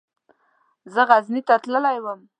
زه غزني ته تللی وم.